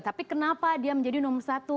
tapi kenapa dia menjadi nomor satu